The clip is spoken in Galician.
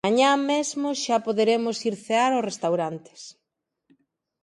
Mañá mesmo xa poderemos ir cear aos restaurantes.